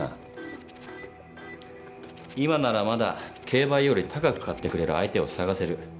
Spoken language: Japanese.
今ならまだ競売より高く買ってくれる相手を探せる。